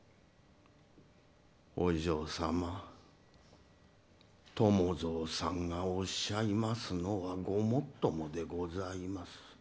お嬢様、伴蔵さんがおっしゃいますのはごもっともでございます。